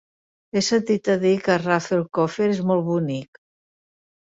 He sentit a dir que Rafelcofer és molt bonic.